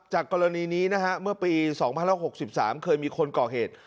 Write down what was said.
กรณีนี้นะฮะเมื่อปี๒๐๖๓เคยมีคนก่อเหตุ